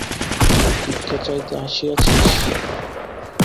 ভিক্ষা চাহিতে আসিয়াছিস?